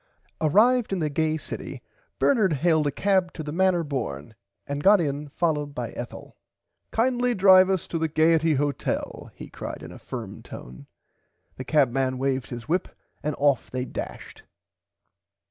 Arrived in the gay city Bernard hailed a eab to the manner born and got in followed by Ethel. Kindly drive us to the Gaierty Hotel he cried in a firm tone. The cabman waved his whip and off they dashed.